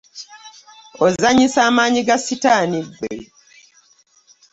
Ozannyisa amaanyi ga ssitaani ggwe.